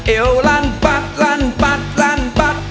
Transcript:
เอวลั่นปั๊บลั่นปั๊บลั่นปั๊บ